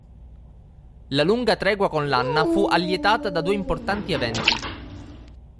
La lunga tregua con Lanna fu allietata da due importanti eventi.